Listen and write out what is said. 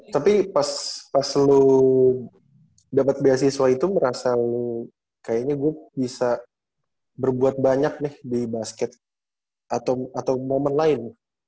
tapi pas lo dapat beasiswa itu merasa kayaknya gue bisa berbuat banyak nih di basket atau momen lain